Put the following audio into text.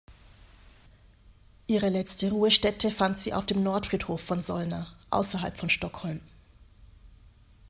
Ihre letzte Ruhestätte fand sie auf dem Nordfriedhof von Solna außerhalb von Stockholm.